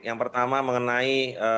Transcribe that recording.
yang pertama mengenai